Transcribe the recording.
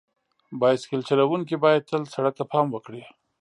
بایسکل چلونکي باید تل سړک ته پام وکړي.